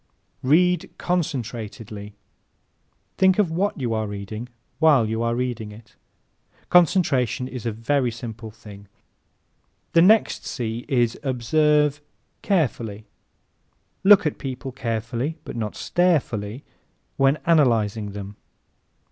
Read CONCENTRATEDLY ¶ Think of what you are reading while you are reading it. Concentration is a very simple thing. The next C is Observe CAREFULLY ¶ Look at people carefully (but not starefully) when analyzing them.